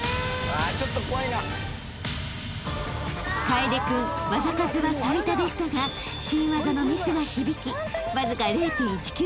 ［楓君技数は最多でしたが新技のミスが響きわずか０．１９ポイント届かず３位］